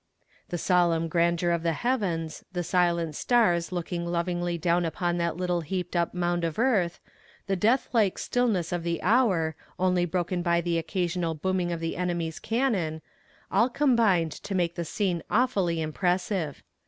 The solemn grandeur of the heavens, the silent stars looking lovingly down upon that little heaped up mound of earth, the death like stillness of the hour, only broken by the occasional booming of the enemy's cannon, all combined to make the scene awfully impressive.